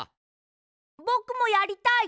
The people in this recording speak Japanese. ぼくもやりたい。